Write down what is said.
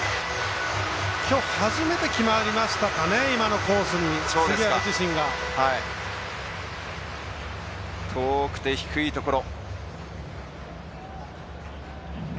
きょう初めて決まりましたかね、今のコースに杉浦自身が。遠くて低いところ。